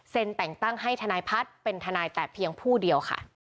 แต่งตั้งให้ทนายพัฒน์เป็นทนายแต่เพียงผู้เดียวค่ะ